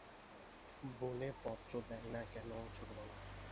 বলে পত্র দেয় না কেন ছোটবাবু?